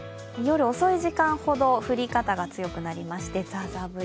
夜遅い時間ほど降り方が強くなりましてザーザー